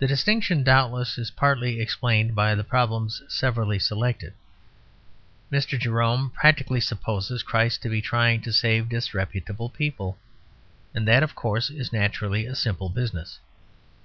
The distinction doubtless is partly explained by the problems severally selected. Mr. Jerome practically supposes Christ to be trying to save disreputable people; and that, of course, is naturally a simple business.